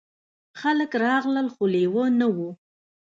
خلک راغلل خو لیوه نه و.